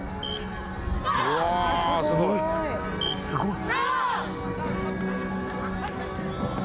すごい。